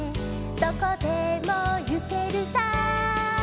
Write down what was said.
どこでもゆけるさ」